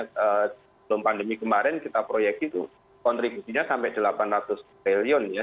sebelum pandemi kemarin kita proyeksi itu kontribusinya sampai delapan ratus triliun ya